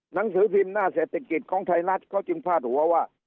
หนังสือพิมพ์หน้าเศรษฐกิจของไทยรัฐเขาจึงพาดหัวว่า